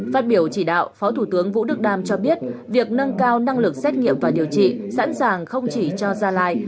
phát biểu chỉ đạo phó thủ tướng vũ đức đam cho biết việc nâng cao năng lực xét nghiệm và điều trị sẵn sàng không chỉ cho gia lai